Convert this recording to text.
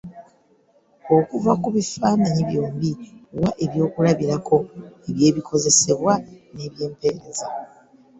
Okuva ku bifaananyi byombi, wa ebyokulabirako eby’ebikozesebwa n'ebyempeereza.